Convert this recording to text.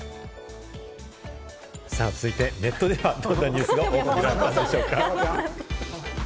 続いてネットでは、どんなニュースが話題になっているんでしょうか？